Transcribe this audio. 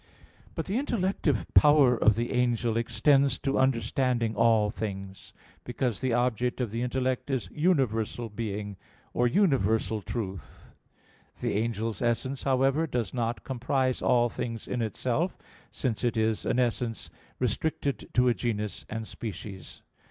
But the intellective power of the angel extends to understanding all things: because the object of the intellect is universal being or universal truth. The angel's essence, however, does not comprise all things in itself, since it is an essence restricted to a genus and species.